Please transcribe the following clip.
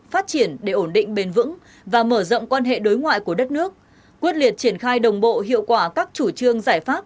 phát triển để ổn định bền vững và mở rộng quan hệ đối ngoại của đất nước quyết liệt triển khai đồng bộ hiệu quả các chủ trương giải pháp